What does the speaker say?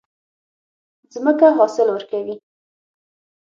ځمکه حاصل ورکوي.